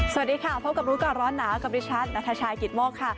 สวัสดีค่ะพบกับรู้ก่อนร้อนหนาวกับดิฉันนัทชายกิตโมกค่ะ